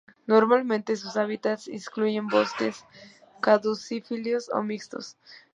Normalmente, sus hábitats incluyen bosques caducifolios o mixtos.